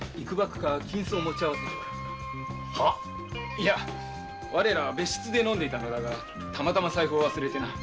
いや我らは別室で飲んでいたのだがたまたま財布を忘れてな。